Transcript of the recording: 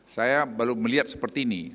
saya baru melihat seperti ini